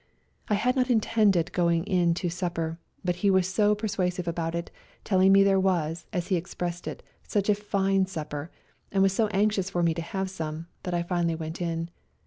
I had not intended going in to supper, but he was so per 124 GOOD BYE TO SERBIA suasive about it, telling me there was, as he expressed it, such a " fine supper," and was so anxious for me to have some, that I finally went in.